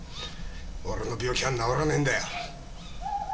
俺の病気は治らねぇんだよ！